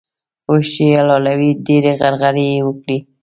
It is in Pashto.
اوښ چې يې حلالوی؛ ډېرې غرغړې يې وکړې.